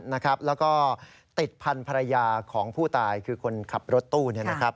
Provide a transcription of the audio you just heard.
แล้วก็ติดพันธรรยาของผู้ตายคือคนขับรถตู้เนี่ยนะครับ